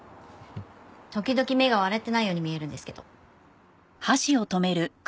時々目が笑ってないように見えるんですけど。